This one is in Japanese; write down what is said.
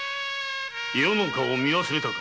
余の顔を見忘れたか。